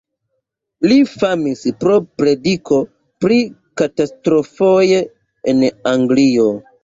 Li famis pro prediko pri katastrofoj en Anglio.